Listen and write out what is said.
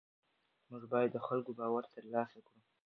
موږ باید د خلکو باور ترلاسه کړو.